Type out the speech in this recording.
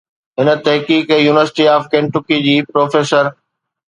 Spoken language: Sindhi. هن تحقيق يونيورسٽي آف Kentucky جي پروفيسر